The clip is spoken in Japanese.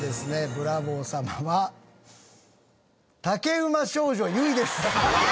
ブラボー様は竹馬少女ゆいです。